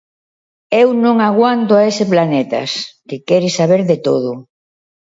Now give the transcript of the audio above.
Eu non aguanto a ese planetas, que quere saber de todo.